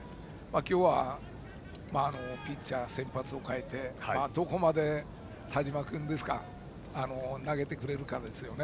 今日はピッチャー、先発を変えてどこまで田嶋君が投げてくれるかですね。